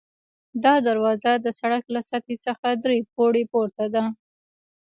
دا دروازه د سړک له سطحې څخه درې پوړۍ پورته ده.